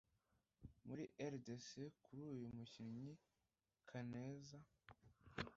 muri rdc kuri uyu mukinnyi kaneza